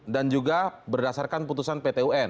dan juga berdasarkan putusan pt un